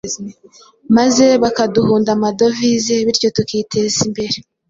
maze bakaduhunda amadovize, bityo tukiteza imbere.